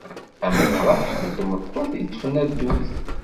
Am uqraḥ n tmeṭṭut yeṭṭfen addud.